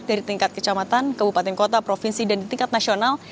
dari tingkat kecamatan kabupaten kota provinsi dan di tingkat nasional